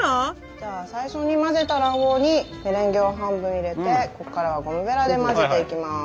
じゃあ最初に混ぜた卵黄にメレンゲを半分入れてここからはゴムベラで混ぜていきます。